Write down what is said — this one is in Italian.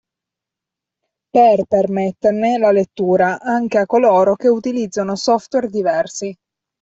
Per permetterne la lettura anche a coloro che utilizzano software diversi.